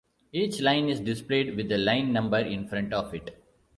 Each line is displayed with a line number in front of it.